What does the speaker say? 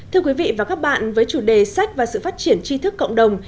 thưa quý vị và các bạn với chủ đề sách và sự phát triển chi thức cộng đồng